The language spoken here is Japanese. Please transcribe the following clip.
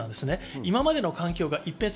今までの環境が一変する。